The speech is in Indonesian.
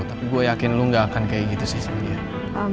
tapi gue yakin lo gak akan kayak gitu sih sebenarnya